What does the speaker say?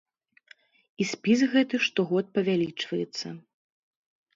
І спіс гэты штогод павялічваецца.